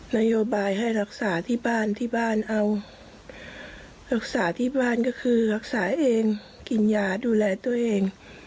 นโยบายให้รักษาที่บ้านที่บ้านเอารักษาที่บ้านก็คือรักษาเองกินยาดูแลตัวเอง